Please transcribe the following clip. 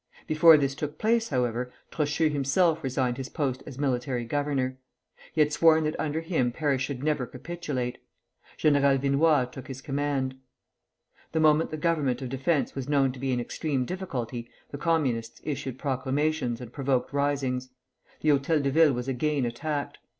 Before this took place, however, Trochu himself resigned his post as military governor. He had sworn that under him Paris should never capitulate. General Vinoy took his command. The moment the Government of Defence was known to be in extreme difficulty, the Communists issued proclamations and provoked risings. The Hôtel de Ville was again attacked.